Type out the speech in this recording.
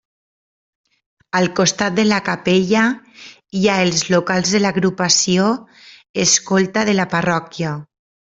Al costat de la capella hi ha els locals de l'agrupació escolta de la parròquia.